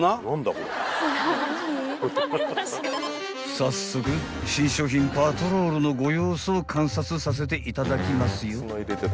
［早速新商品パトロールのご様子を観察させていただきますよ］